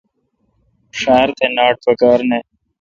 ݭار تھہ ناٹ پکار نہ۔